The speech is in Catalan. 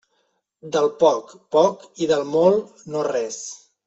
Del poc, poc, i del molt, no res.